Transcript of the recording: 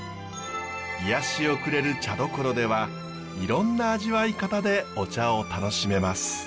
癒やしをくれる茶どころではいろんな味わい方でお茶を楽しめます。